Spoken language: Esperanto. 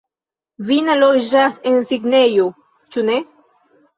Vi ne loĝas en Sidnejo, ĉu ne?